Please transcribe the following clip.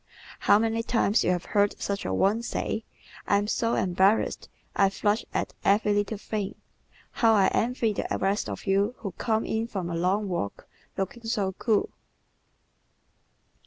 How many times you have heard such a one say: "I am so embarrassed! I flush at every little thing! How I envy the rest of you who come in from a long walk looking so cool!"